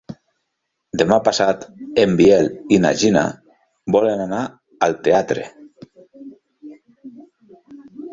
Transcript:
Demà passat en Biel i na Gina volen anar al teatre.